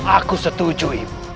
aku setuju ibu